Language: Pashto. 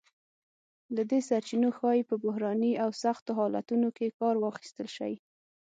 له دې سرچینو ښایي په بحراني او سختو حالتونو کې کار واخیستل شی.